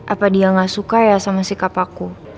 apa dia gak suka ya sama sikap aku